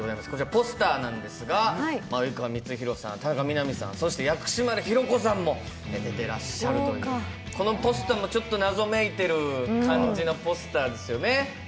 ポスターなんですが、及川光博さん田中みな実さん、そして薬師丸ひろ子さんも出てらっしゃるというこのポスターもちょっと謎めいている感じのポスターですよね。